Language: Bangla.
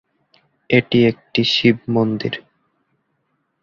এটি একটি শিব মন্দির।